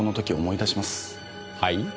はい？